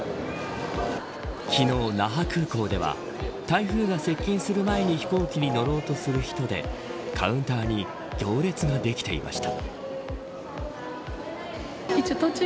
昨日、那覇空港では台風が接近する前に飛行機に乗ろうとする人でカウンターに行列ができていました。